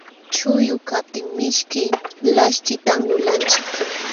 Chuqllu kaptin mishki laśhtitan lulanchik.